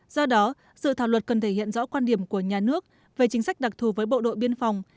do đó dự thảo luật cần thể hiện rõ quan điểm của nhà nước về chính sách đặc thù với bộ đội biên phòng